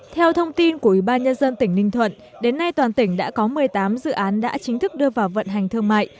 theo thông tin của ủy ban nhân dân tỉnh ninh thuận đến nay toàn tỉnh đã có một mươi tám dự án đã chính thức đưa vào vận hành thương mại